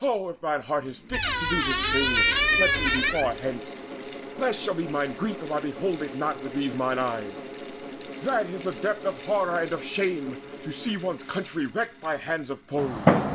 Oh, if thine heart is fixed to do this thing, Let me be far hence! Less shall be my grief If I behold it not with these mine eyes. That is the depth of horror and of shame To see one's country wrecked by hands of foes."